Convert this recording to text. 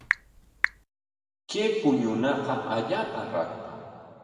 Kay puñunaqa allaapa raktam.